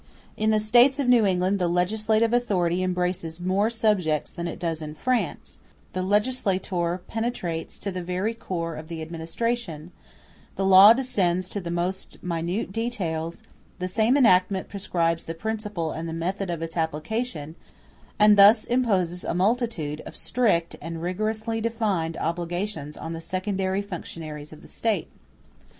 In the States of New England the legislative authority embraces more subjects than it does in France; the legislator penetrates to the very core of the administration; the law descends to the most minute details; the same enactment prescribes the principle and the method of its application, and thus imposes a multitude of strict and rigorously defined obligations on the secondary functionaries of the State.